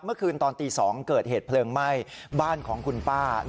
เมื่อคืนตอนตี๒เกิดเหตุเพลิงไหม้บ้านของคุณป้า